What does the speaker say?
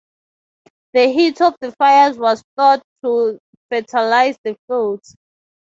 The heat of the fires was thought to fertilize the fields.